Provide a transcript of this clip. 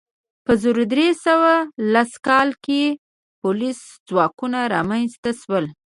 په زر درې سوه لس کال کې پولیس ځواکونه رامنځته شول.